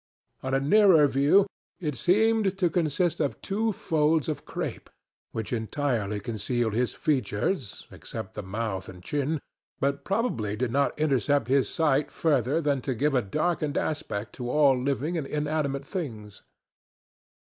On a nearer view it seemed to consist of two folds of crape, which entirely concealed his features except the mouth and chin, but probably did not intercept his sight further than to give a darkened aspect to all living and inanimate things.